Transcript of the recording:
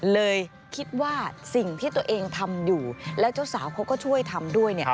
เลยคิดว่าสิ่งที่ตัวเองทำอยู่แล้วเจ้าสาวเขาก็ช่วยทำด้วยเนี่ย